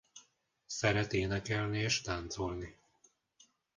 Szeret énekelni és táncolni.